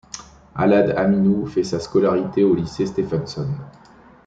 Alade Aminu fait sa scolarité au Lycée Stephenson.